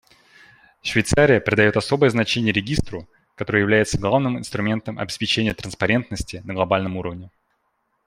Швейцария придает особое значение Регистру, который является главным инструментом обеспечения транспарентности на глобальном уровне.